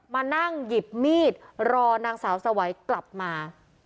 มานั่งหยิบมีดรอนางสาวสวัยกลับมา